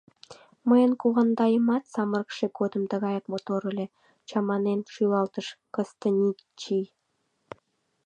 — Мыйын кувандаемат самырыкше годым тыгаяк мотор ыле, — чаманен шӱлалтыш Кыстынчий.